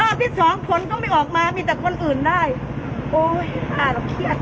ที่สองผลก็ไม่ออกมามีแต่คนอื่นได้โอ้ยอ่าเราเครียด